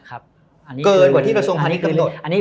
เกินกว่าที่ประสงค์พันธ์ที่กำหนด